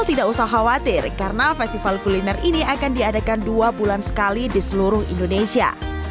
tidak usah khawatir karena festival kuliner ini akan diadakan dua bulan sekali di seluruh indonesia